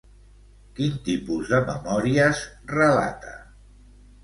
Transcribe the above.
Quin tipus de memòries relata?